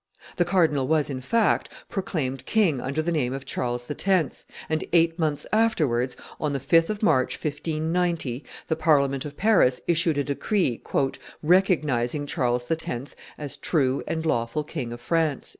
The cardinal was, in fact, proclaimed king under the name of Charles X.; and eight months afterwards, on the 5th of March, 1590, the Parliament of Paris issued a decree "recognizing Charles X. as true and lawful king of France."